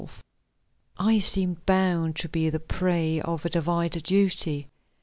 SEARCHINGS I seemed bound to be the prey of a divided duty.